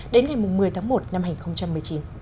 đến ngày một mươi tháng một năm hai nghìn một mươi chín